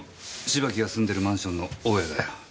芝木が住んでるマンションの大家だよ。